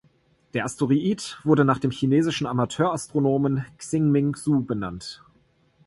Der Asteroid wurde nach dem chinesischen Amateurastronomen "Xing-Ming Zhou" benannt.